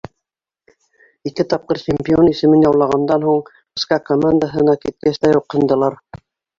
Ике тапҡыр чемпион исемен яулағандан һуң СКА командаһына киткәс тә юҡһындылар.